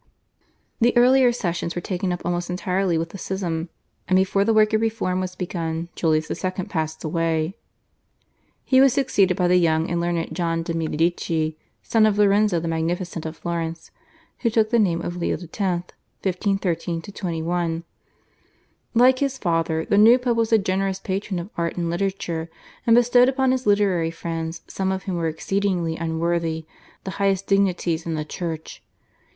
The earlier sessions were taken up almost entirely with the schism, and before the work of reform was begun Julius II. passed away. He was succeeded by the young and learned John de' Medici, son of Lorenzo the Magnificent of Florence, who took the name of Leo X. (1513 21). Like his father, the new Pope was a generous patron of art and literature, and bestowed upon his literary friends, some of whom were exceedingly unworthy, the highest dignities in the Church.